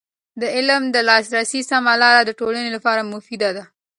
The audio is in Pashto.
د علم د لاسرسي سمه لاره د ټولنې لپاره مفید ده.